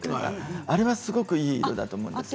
あれがすごくいい色だと思います。